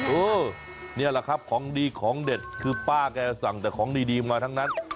เออนี่แหละครับของดีของเด็ดคือป้าแกสั่งแต่ของดีมาทั้งนั้น